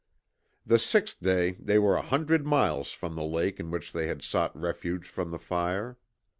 The sixth day they were a hundred miles from the lake in which they had sought refuge from the fire.